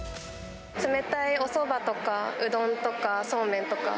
冷たいおそばとかうどんとかそうめんとか。